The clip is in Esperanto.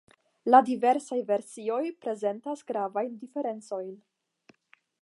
La diversaj versioj prezentas gravajn diferencojn.